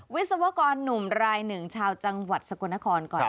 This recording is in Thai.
วิศวกรหนุ่มรายหนึ่งชาวจังหวัดสกลนครก่อน